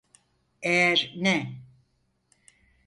Eğer ne?